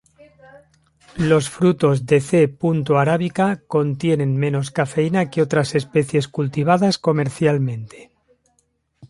Los frutos de "C. arabica" contienen menos cafeína que otras especies cultivadas comercialmente.